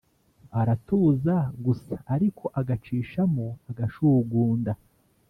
aratuza gusa. ariko agacishamo agashugunda